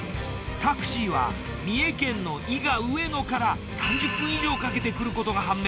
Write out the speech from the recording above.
タクシーは三重県の伊賀上野から３０分以上かけて来ることが判明。